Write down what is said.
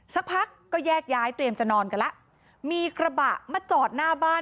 สักพักก็แยกย้ายเตรียมจะนอนกันแล้วมีกระบะมาจอดหน้าบ้าน